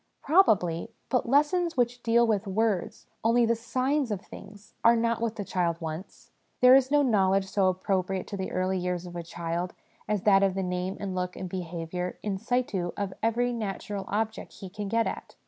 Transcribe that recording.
Probably : but' lessons which deal with words, only the signs of things, are not what the child wants. There is no knowledge so appropriate to the early years of a child as that of the name and look and behaviour in situ of every natural object he can get at.